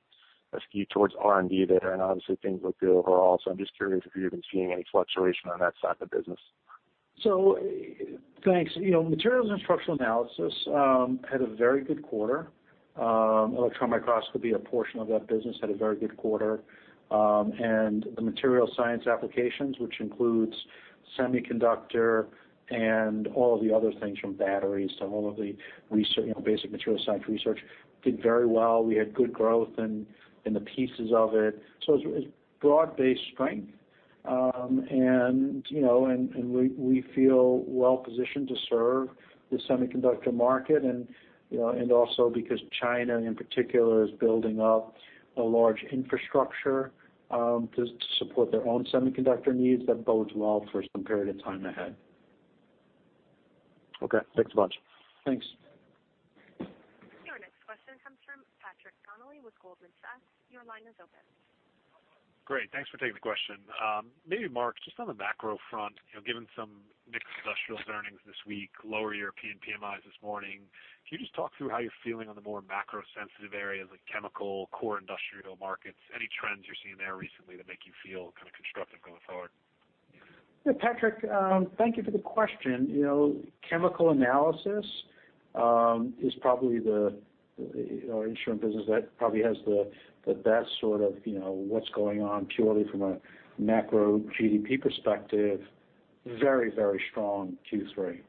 skew towards R&D there, obviously things look good overall. I'm just curious if you're even seeing any fluctuation on that side of the business. Thanks. Materials and structural analysis had a very good quarter. Electron microscopy, a portion of that business, had a very good quarter. The material science applications, which includes semiconductor and all of the other things, from batteries to all of the basic material science research, did very well. We had good growth in the pieces of it. It's broad-based strength. We feel well-positioned to serve the semiconductor market, also because China, in particular, is building up a large infrastructure to support their own semiconductor needs. That bodes well for some period of time ahead. Okay, thanks a bunch. Thanks. Your next question comes from Patrick Donnelly with Goldman Sachs. Your line is open. Great, thanks for taking the question. Maybe Marc, just on the macro front, given some mixed industrials earnings this week, lower European PMIs this morning, can you just talk through how you're feeling on the more macro-sensitive areas like chemical, core industrial markets? Any trends you're seeing there recently that make you feel constructive going forward? Yeah, Patrick, thank you for the question. Chemical analysis is probably our instrument business that probably has the best sort of what's going on purely from a macro GDP perspective. Very strong Q3.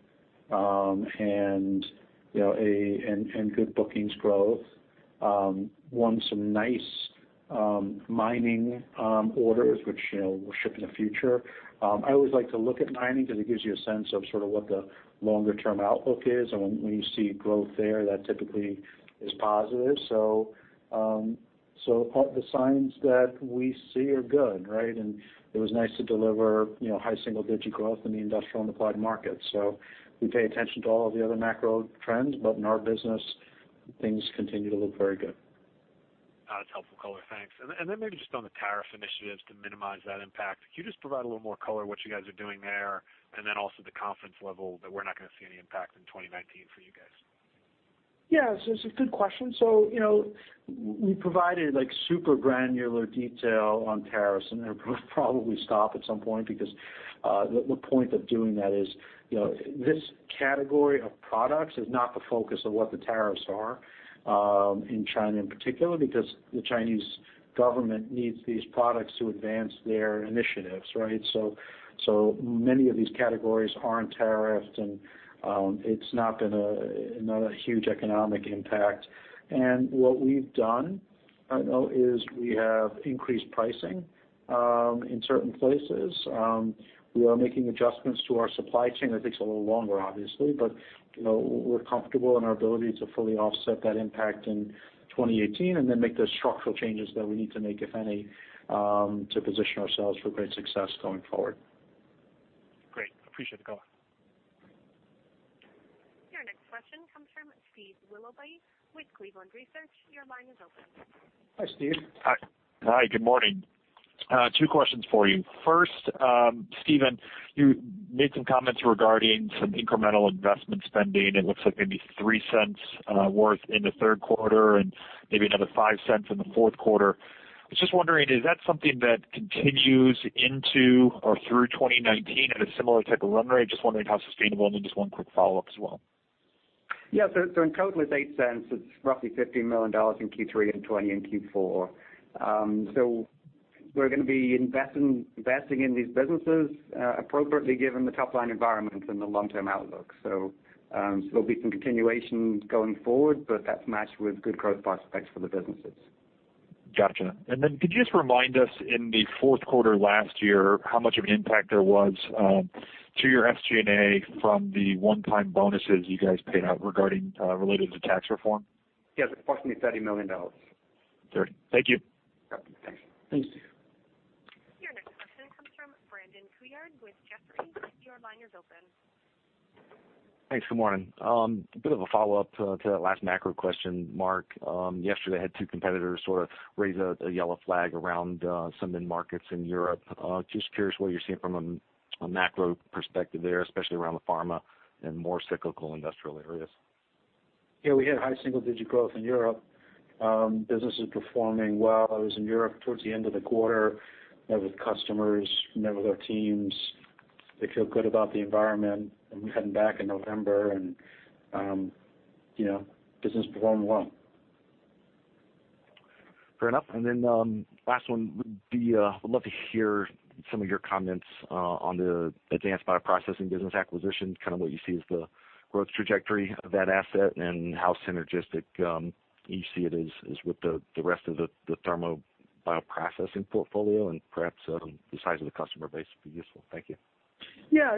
Good bookings growth. Won some nice mining orders, which we'll ship in the future. I always like to look at mining because it gives you a sense of what the longer-term outlook is. When you see growth there, that typically is positive. The signs that we see are good. It was nice to deliver high single-digit growth in the industrial and applied market. We pay attention to all of the other macro trends, but in our business, things continue to look very good. That's helpful color. Thanks. Maybe just on the tariff initiatives to minimize that impact. Can you just provide a little more color, what you guys are doing there, and also the confidence level that we're not going to see any impact in 2019 for you guys? It's a good question. We provided super granular detail on tariffs, and we'll probably stop at some point because the point of doing that is this category of products is not the focus of what the tariffs are in China in particular, because the Chinese government needs these products to advance their initiatives. Many of these categories aren't tariffed, and it's not been a huge economic impact. What we've done is we have increased pricing in certain places. We are making adjustments to our supply chain. That takes a little longer, obviously, but we're comfortable in our ability to fully offset that impact in 2018 and then make the structural changes that we need to make, if any, to position ourselves for great success going forward. Great. Appreciate the color. Your next question comes from Steve Willoughby with Cleveland Research. Your line is open. Hi, Steve. Hi, good morning. Two questions for you. First, Stephen, you made some comments regarding some incremental investment spending. It looks like maybe $0.03 worth in the third quarter and maybe another $0.05 in the fourth quarter. I was just wondering, is that something that continues into or through 2019 at a similar type of run rate? Just wondering how sustainable. Just one quick follow-up as well. Yeah. In total, it's $0.08. It's roughly $15 million in Q3 and $20 million in Q4. We're going to be investing in these businesses appropriately given the top-line environment and the long-term outlook. There'll be some continuation going forward, but that's matched with good growth prospects for the businesses. Got you. Could you just remind us in the fourth quarter last year how much of an impact there was to your SG&A from the one-time bonuses you guys paid out related to tax reform? Yeah. It's approximately $30 million. $30. Thank you. Yep. Thanks. Thanks. Your next question comes from Brandon Couillard with Jefferies. Your line is open. Thanks. Good morning. A bit of a follow-up to that last macro question, Marc. Yesterday, I had two competitors sort of raise a yellow flag around some end markets in Europe. Just curious what you're seeing from a macro perspective there, especially around the pharma and more cyclical industrial areas. Yeah, we had high single-digit growth in Europe. Business is performing well. I was in Europe towards the end of the quarter, met with customers, met with our teams. They feel good about the environment, and we hadn't back in November, and business is performing well. Fair enough. Then last one would be, I'd love to hear some of your comments on the Advanced Bioprocessing business acquisition, kind of what you see as the growth trajectory of that asset and how synergistic you see it is with the rest of the Thermo bioprocessing portfolio, and perhaps the size of the customer base would be useful. Thank you. Yeah.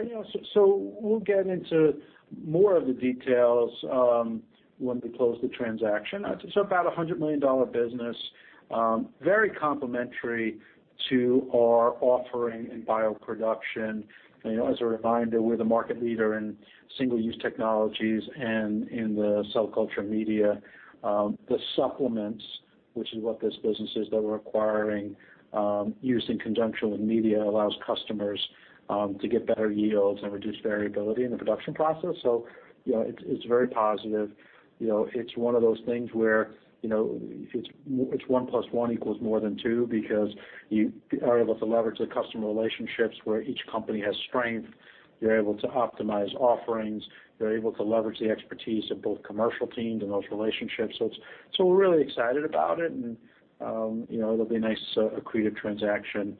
We'll get into more of the details when we close the transaction. It's about a $100 million business, very complementary to our offering in bioproduction. As a reminder, we're the market leader in single-use technologies and in the cell culture media. The supplements, which is what this business is that we're acquiring, used in conjunction with media, allows customers to get better yields and reduce variability in the production process. It's very positive. It's one of those things where it's one plus one equals more than two, because you are able to leverage the customer relationships where each company has strength. You're able to optimize offerings. You're able to leverage the expertise of both commercial teams and those relationships. We're really excited about it, and it'll be a nice accretive transaction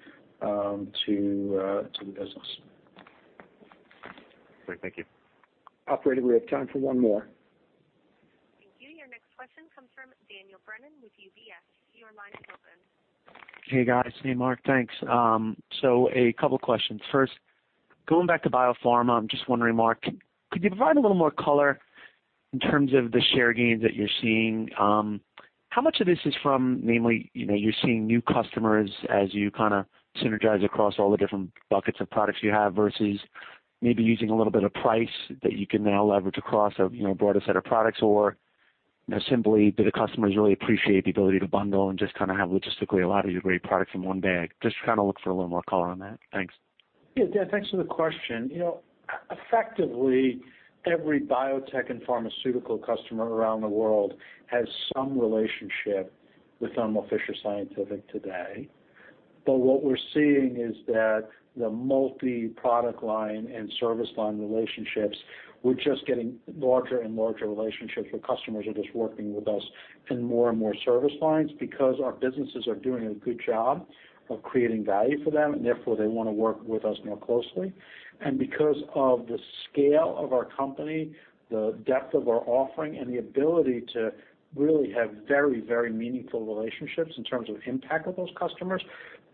to the business. Great. Thank you. Operator, we have time for one more. Thank you. Your next question comes from Daniel Brennan with UBS. Your line is open. Hey, guys. Hey, Marc. Thanks. A couple questions. First, going back to biopharma, I'm just wondering, Marc, could you provide a little more color in terms of the share gains that you're seeing? How much of this is from namely you're seeing new customers as you kind of synergize across all the different buckets of products you have, versus maybe using a little bit of price that you can now leverage across a broader set of products? Or simply, do the customers really appreciate the ability to bundle and just kind of have logistically a lot of your great products in one bag? Just kind of look for a little more color on that. Thanks. Dan, thanks for the question. Effectively, every biotech and pharmaceutical customer around the world has some relationship with Thermo Fisher Scientific today. What we're seeing is that the multi-product line and service line relationships, we're just getting larger and larger relationships where customers are just working with us in more and more service lines because our businesses are doing a good job of creating value for them, and therefore they want to work with us more closely. Because of the scale of our company, the depth of our offering, and the ability to really have very meaningful relationships in terms of impact with those customers,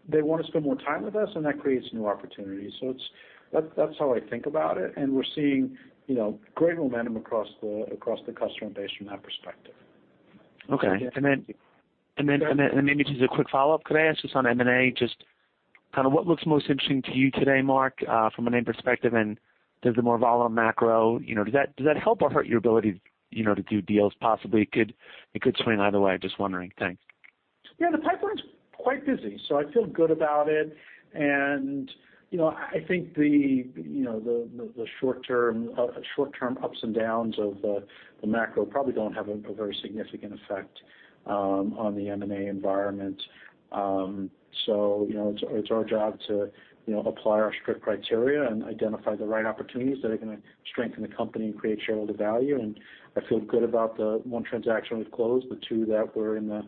they want to spend more time with us, and that creates new opportunities. That's how I think about it, and we're seeing great momentum across the customer base from that perspective. Okay. Thank you. Then maybe just a quick follow-up, could I ask just on M&A, just kind of what looks most interesting to you today, Marc, from an M perspective, and does the more volatile macro, does that help or hurt your ability to do deals possibly? It could swing either way. Just wondering. Thanks. The pipeline's quite busy, so I feel good about it. I think the short-term ups and downs of the macro probably don't have a very significant effect on the M&A environment. It's our job to apply our strict criteria and identify the right opportunities that are going to strengthen the company and create shareholder value, and I feel good about the one transaction we've closed, the two that we're in the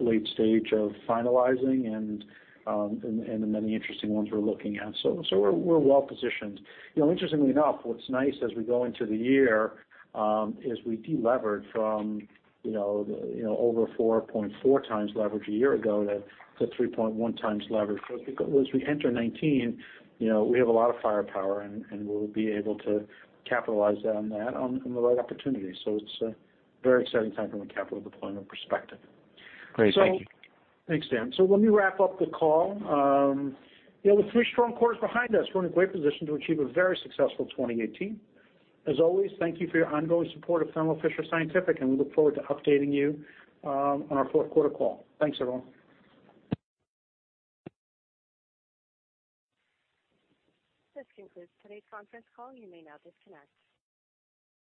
late stage of finalizing, and the many interesting ones we're looking at. We're well-positioned. Interestingly enough, what's nice as we go into the year, is we de-levered from over 4.4 times leverage a year ago to 3.1 times leverage. As we enter 2019, we have a lot of firepower, and we'll be able to capitalize on that on the right opportunity. It's a very exciting time from a capital deployment perspective. Great. Thank you. Thanks, Dan. Let me wrap up the call. With three strong quarters behind us, we're in a great position to achieve a very successful 2018. As always, thank you for your ongoing support of Thermo Fisher Scientific, and we look forward to updating you on our fourth quarter call. Thanks, everyone. This concludes today's conference call. You may now disconnect.